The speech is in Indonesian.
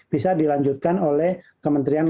bisa dilanjutkan oleh kementerian